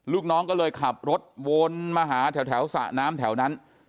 ลูกน้องก็เลยขับรถวนมาหาแถวสระน้ำแถวนั้น